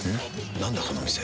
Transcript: なんだこの店。